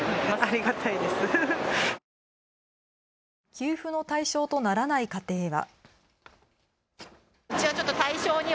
給付の対象とならない家庭は。